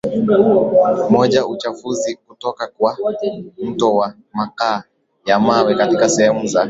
moja Uchafuzi kutoka kwa moto wa makaa ya mawe katika sehemu za